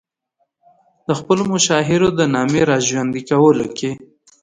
د خپلو مشاهیرو د نامې را ژوندي کولو کې.